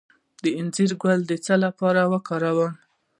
د انځر ګل د څه لپاره وکاروم؟